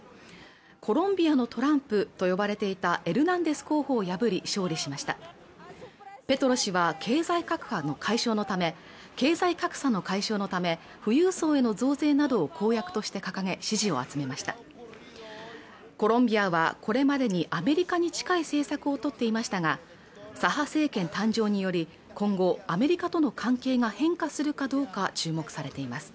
コロンビアのトランプと呼ばれていたエルナンデス候補を破り勝利しましたペトロ氏は経済格差の解消のため経済格差の解消のため富裕層への増税などを公約として掲げ支持を集めましたコロンビアはこれまでにアメリカに近い政策をとっていましたが左派政権誕生により今後アメリカとの関係が変化するかどうか注目されています